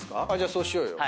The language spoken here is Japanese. そうしようよ。